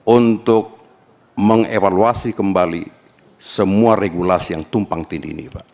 untuk mengevaluasi kembali semua regulasi yang tumpang tindih ini pak